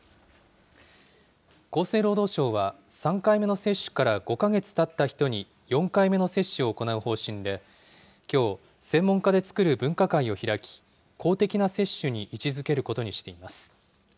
厚生労働省は、３回目の接種から５か月たった人に４回目の接種を行う方針で、きょう、専門家で作る分科会を開き、公的な接種に位置づけることにしています。